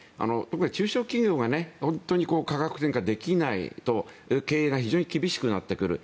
中小企業が価格転嫁ができないと経営が非常に厳しくなってくる。